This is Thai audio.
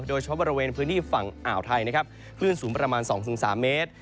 โดยเฉพาะบริเวณพื้นที่ฝั่งอ่าวไทยนะครับคลื่นสูงประมาณ๒๓เมตร